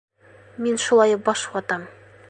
Мин шулай баш ватам.